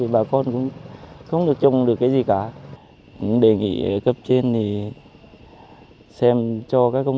bà con trồng ngô và trồng các cây như là cây xoan